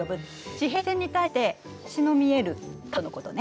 地平線に対して星の見える角度のことね。